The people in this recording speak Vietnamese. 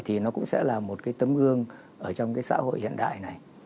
thì nó cũng sẽ là một cái tấm gương ở trong cái xã hội hiện đại này